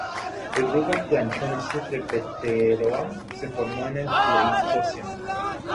El grupo Planchón-Azufre-Peteroa se formó en el Pleistoceno.